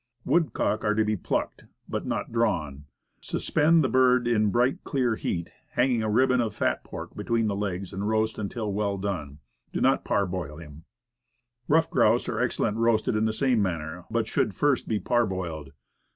Woodcock are to be plucked, but not drawn. Birds and Venison. 107 Suspend the bird in a bright, clear heat, hang a rib bon of fat pork between the legs, and roast until well done; do not parboil him. Ruffed grouse are excellent roasted in the same manner, but should first be parboiled.